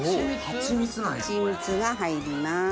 はちみつが入ります。